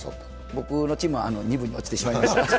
僕のチームは２部に落ちてしまいました。